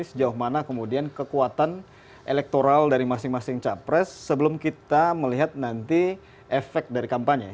sejauh mana kemudian kekuatan elektoral dari masing masing capres sebelum kita melihat nanti efek dari kampanye